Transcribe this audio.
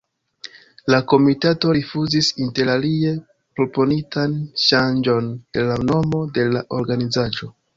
La komitato rifuzis interalie proponitan ŝanĝon de la nomo de la organizaĵo.